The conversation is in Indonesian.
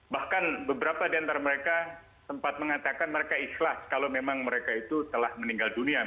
bahkan beberapa di antara mereka sempat mengatakan mereka ikhlas kalau memang mereka itu telah meninggal dunia